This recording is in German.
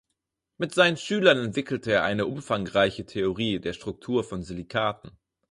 Mit seinen Schülern entwickelte er eine umfangreiche Theorie der Struktur von Silikaten.